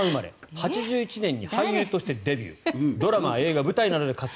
８１年に俳優としてデビュードラマ、映画、舞台で活躍。